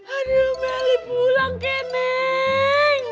aduh melik pulang kemeng